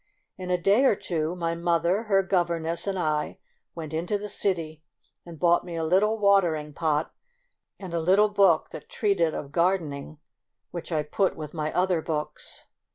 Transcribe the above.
In a clay or two my mother, her governess and I went into the city and bought me a little water ing pot, and a little book that treated of gardening, which I put with my other books.